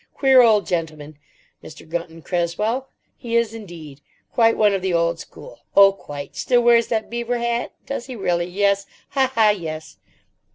Queer old gentleman, Mr. Gunton Cresswell. He is, indeed. Quite one of the old school. Oh, quite. Still wears that beaver hat? Does he really? Yes. Ha, ha! Yes.